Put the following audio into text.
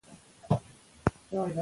دا سیمي تل د جګړې ډګر وې.